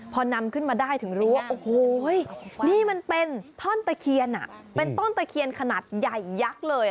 พอนำขึ้นมาได้ถึงรู้ว่าโอ้โหนี่มันเป็นท่อนตะเคียนเป็นต้นตะเคียนขนาดใหญ่ยักษ์เลย